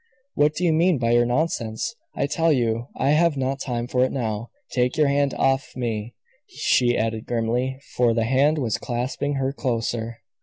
"What do you mean by your nonsense? I tell you I have not time for it now. Take your hand off me," she added grimly for the hand was clasping her closer.